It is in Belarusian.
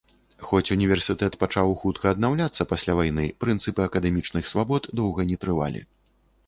Хоць універсітэт пачаў хутка аднаўляцца пасля вайны, прынцыпы акадэмічных свабод доўга не трывалі.